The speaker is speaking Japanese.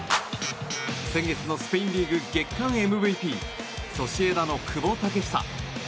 先月のスペインリーグ月間ＭＶＰソシエダの久保建英。